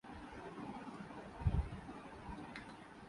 تھی یاروں کی بہتات تو ہم اغیار سے بھی بیزار نہ تھے